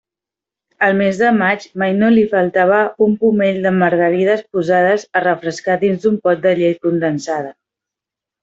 Al mes de maig mai no li faltava un pomell de margarides posades a refrescar dins d'un pot de llet condensada.